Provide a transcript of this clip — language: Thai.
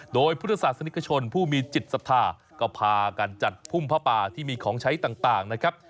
โดยพุทธศาสนิกชนผู้มีจิตศรัทธาก็พากันจัดพุ่มผ้าป่าที่มีของใช้ต่างนะครับ